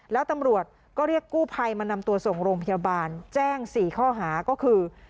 แล้วตำรวจก็เรียกกู้ภัยมานำตัวส่งโรงพยาบาลแจ้ง๔ข้อหาก็คือ